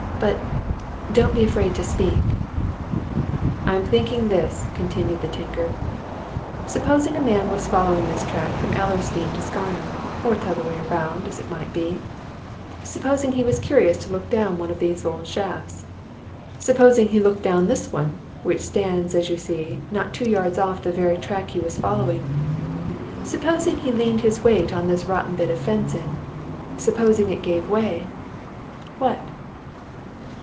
"But don't be afraid to speak." "I'm thinking this," continued the tinker: "Supposing a man was following this track from Ellersdeane to Scarnham, or t'other way about, as it might be supposing he was curious to look down one of these old shafts supposing he looked down this one, which stands, as you see, not two yards off the very track he was following supposing he leaned his weight on this rotten bit of fencing supposing it gave way? What?"